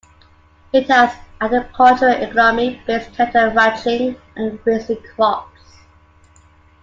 It has an agricultural economy, based in cattle ranching and raising crops.